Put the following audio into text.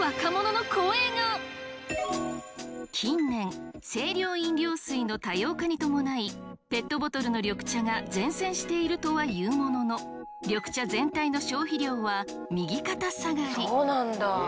近年清涼飲料水の多様化に伴いペットボトルの緑茶が善戦しているとはいうものの緑茶全体の消費量は右肩下がり。